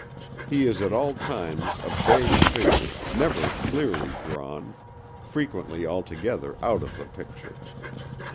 He is at all times a vague figure, never clearly drawn, frequently altogether out of the picture.